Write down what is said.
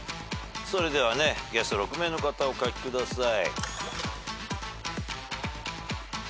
それではゲスト６名の方お書きください。